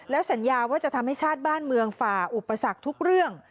สัญญาว่าจะทำให้ชาติบ้านเมืองฝ่าอุปสรรคทุกเรื่อง